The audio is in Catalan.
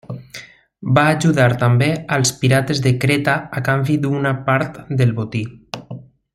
Va ajudar també als pirates de Creta a canvi d'una part del botí.